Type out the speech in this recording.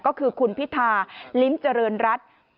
ก็คือคุณพิธาลิ้มเจริญรัฐ